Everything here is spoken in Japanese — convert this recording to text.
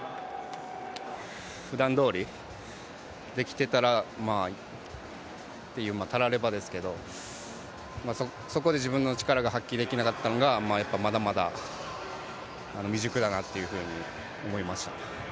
ふだんどおりできてたらっていうたらればですけど、そこで自分の力が発揮できなかったのが、まだまだ未熟だなと思いました。